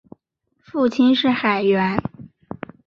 父亲是海员。